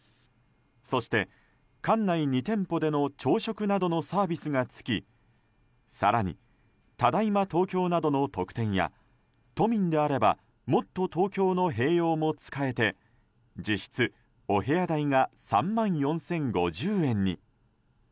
そして館内２店舗での朝食などのサービスがつき更に、ただいま東京などの特典や都民であればもっとＴｏｋｙｏの併用も使えて実質お部屋代が３万４０５０円に。